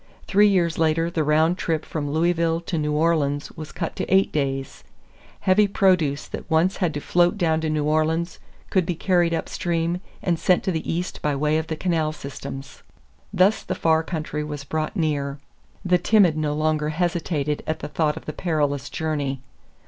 Three years later the round trip from Louisville to New Orleans was cut to eight days. Heavy produce that once had to float down to New Orleans could be carried upstream and sent to the East by way of the canal systems. [Illustration: From an old print AN EARLY MISSISSIPPI STEAMBOAT] Thus the far country was brought near. The timid no longer hesitated at the thought of the perilous journey.